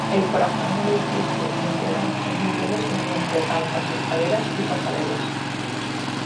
El corazón del edificio integra los tres niveles mediante rampas, escalera y pasarelas.